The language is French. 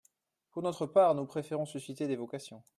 Pour notre part, nous préférons susciter des vocations.